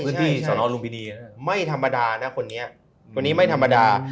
เพื่อที่สนลุงปินีนะไม่ธรรมดานะคนนี้คนนี้ไม่ธรรมดา